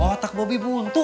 otak bobi buntu